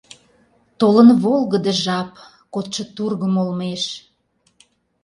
Толын волгыдо жап Кодшо тургым олмеш.